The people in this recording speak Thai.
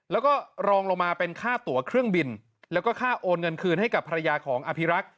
แล้วก็รองลงมาเป็นค่าตัวเครื่องบินแล้วก็ค่าโอนเงินคืนให้กับภรรยาของอภิรักษ์